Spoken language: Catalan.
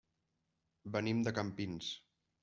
Venim de Campins.